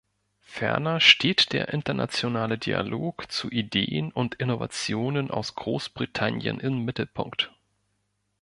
Ferner steht der internationale Dialog zu Ideen und Innovationen aus Großbritannien im Mittelpunkt.